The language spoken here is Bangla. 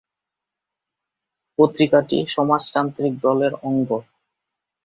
পত্রিকাটি সমাজতান্ত্রিক দলের অঙ্গ।